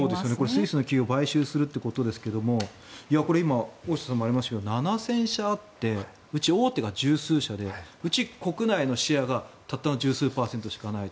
スイスの企業を買収するということですが今、大下さんからもありましたが７０００社あってうち大手が１０数社でうち国内のシェアが、たったの１０数パーセントしかない。